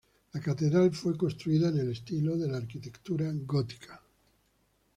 La catedral fue construida en el estilo de la arquitectura gótica.